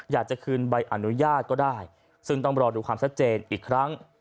อยากจะคืนใบอนุญาตก็ได้ซึ่งต้องรอดูความชัดเจนอีกครั้ง